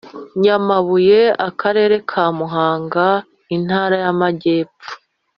Nyamabuye akarere ka Muhanga Intara y’Amajyepfo